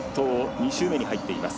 ２周目に入っています。